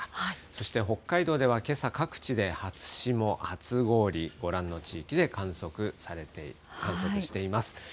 そして北海道ではけさ、各地で初霜、初氷、ご覧の地域で観測しています。